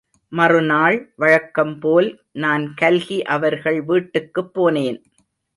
மறுநாள் வழக்கம் போல் நான் கல்கி அவர்கள் வீட்டுக்குப் போனேன்.